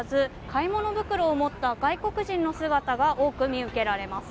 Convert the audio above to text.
買い物袋を持った外国人の姿が多く見受けられます。